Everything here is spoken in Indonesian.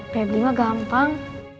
feb juga gampang